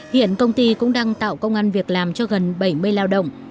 hiện công ty cũng đang tạo công an việc làm cho gần bảy mươi lao động